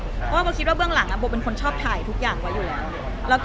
เพราะว่าโบคิดว่าเบื้องหลังโบเป็นคนชอบถ่ายทุกอย่างไว้อยู่แล้ว